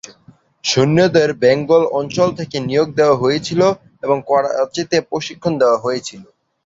সৈন্যদের বেঙ্গল অঞ্চল থেকে নিয়োগ দেওয়া হয়েছিল এবং করাচিতে প্রশিক্ষণ দেওয়া হয়েছিল।